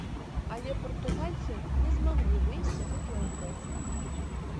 Але партугальцы не змаглі выйсці ў плэй-оф.